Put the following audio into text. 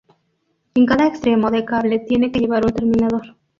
En cada extremo del cable tiene que llevar un terminador.